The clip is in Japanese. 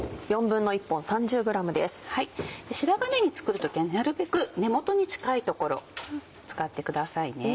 白髪ねぎ作る時はなるべく根元に近い所使ってくださいね。